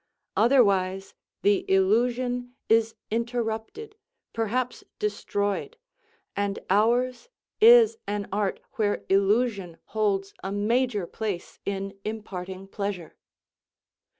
Otherwise the illusion is interrupted, perhaps destroyed and ours is an art where illusion holds a major place in imparting pleasure.